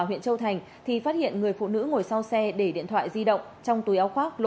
huyện châu thành thì phát hiện người phụ nữ ngồi sau xe để điện thoại di động trong túi áo khoác lô